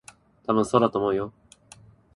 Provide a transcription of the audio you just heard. たぶん、そうだと思うよ。